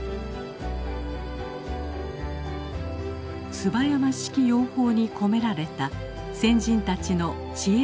椿山式養蜂に込められた先人たちの知恵と工夫。